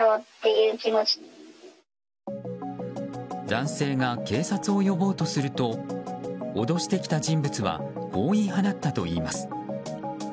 男性が警察を呼ぼうとすると脅してきた人物はこう言い放ったといいます。